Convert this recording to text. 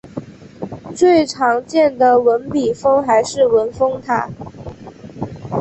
最常见的文笔峰还是文峰塔。